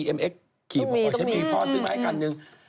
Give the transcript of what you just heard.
ขี่มัวของเขาเจ๊มีพ่อซื้อม้ายังไงกันนึง